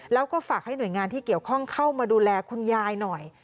แล้วก็ฝากให้หน่วยงานที่เกี่ยวข้องเข้ามาดูแลคุณยายหน่อย